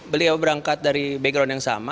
beliau berangkat dari background yang sama